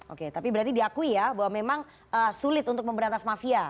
oke tapi berarti diakui ya bahwa memang sulit untuk memberantas mafia